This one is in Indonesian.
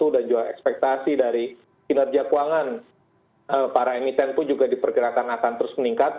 dan juga ekspektasi dari kinerja keuangan para emiten pun juga diperkirakan akan terus meningkat